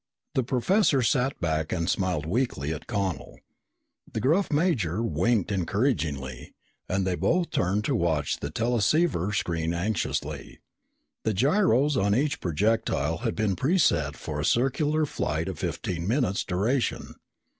The professor sat back and smiled weakly at Connel. The gruff major winked encouragingly and they both turned to watch the teleceiver screen anxiously. The gyros on each projectile had been preset for a circular flight of fifteen minutes' duration.